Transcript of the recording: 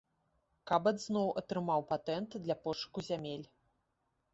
Кабат зноў атрымаў патэнт для пошуку зямель.